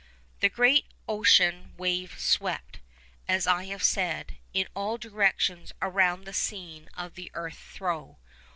The great ocean wave swept, as I have said, in all directions around the scene of the earth throe.